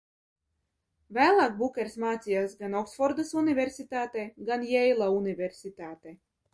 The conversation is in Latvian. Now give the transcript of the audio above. Vēlāk Bukers mācījās gan Oksfordas Universitātē, gan Jeila Universitātē.